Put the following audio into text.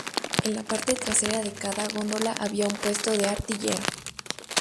En la parte trasera de cada góndola había un puesto de artillero.